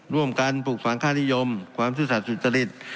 ร่วมกันปลูกภาคภาคนิยมความทุกษัตริจ